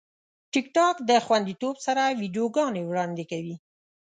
ټیکټاک د خوندیتوب سره ویډیوګانې وړاندې کوي.